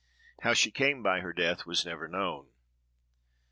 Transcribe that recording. How she came by her death was never known.